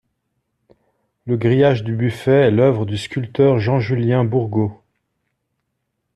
Le grillage du buffet est l'œuvre du sculpteur Jean-Julien Bourgault.